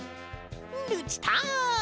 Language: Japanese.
ルチタン！